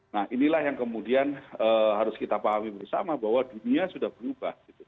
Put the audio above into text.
nah inilah yang kemudian harus kita pahami bersama bahwa dunia sudah berubah